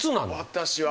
私は。